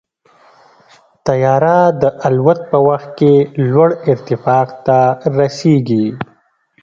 طیاره د الوت په وخت کې لوړ ارتفاع ته رسېږي.